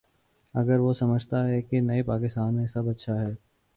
اگر وہ سمجھتا ہے کہ نئے پاکستان میں سب اچھا ہے۔